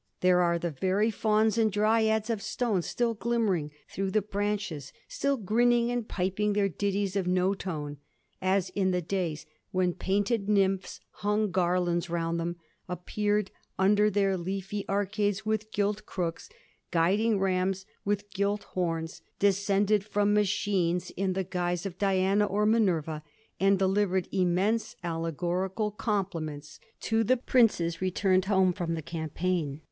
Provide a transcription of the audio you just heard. There are the very &uns and dryads of stone still glimmering through the branches, still grinning and piping their ditties of no tone, as in the days when painted nymphs himg garlands round them, appeared under their leafy arcades with gilt crooks, guiding rams with gilt horns, descended from "machines" in the guise of Diana or Minerva, and delivered immense allegorical compliments to the princes returned home from the campaign.'